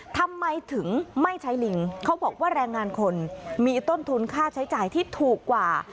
ทำไมถึงไม่ใช้ลิงเขาบอกว่าแรงงานคนมีต้นทุนค่าใช้จ่ายที่ถูกกว่า